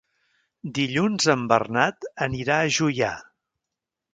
Dilluns en Bernat anirà a Juià.